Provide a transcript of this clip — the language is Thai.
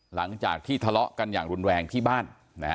หลังจากที่ทะเลาะกันอย่างรุนแรงที่บ้าน